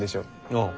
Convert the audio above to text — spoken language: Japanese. ああ。